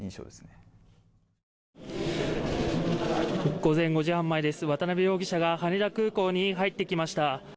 午前５時半前です渡辺容疑者が羽田空港に入ってきました